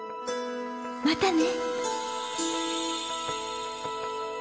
またね。